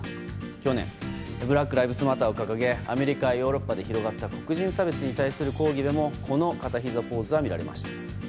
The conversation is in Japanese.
去年ブラック・ライブズ・マターを掲げ、アメリカやヨーロッパで広がった黒人差別の抗議デモこの片ひざポーズは見られました。